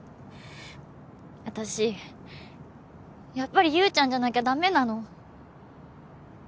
私やっぱり優ちゃんじゃなきゃ駄目なの。